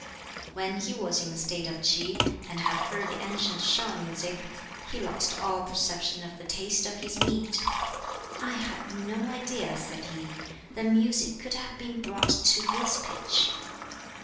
When he was in the State of Ts'i, and had heard the ancient Shau music, he lost all perception of the taste of his meat. "I had no idea," said he, "that music could have been brought to this pitch."